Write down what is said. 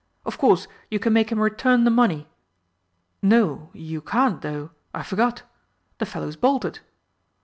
"Of course you can make him return the money! No, you can't, though, I forgot the fellow's bolted!"